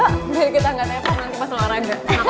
udah nggak tepar nanti pas olahraga